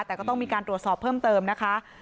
แต่ก็ต้องมีการตรวจสอบเพิ่มเติมนะคะ